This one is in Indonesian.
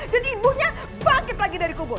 dan ibunya bangkit lagi dari kubur